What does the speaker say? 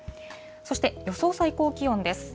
そして予想最高気温です。